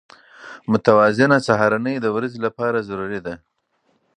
متوازنه سهارنۍ د ورځې لپاره ضروري ده.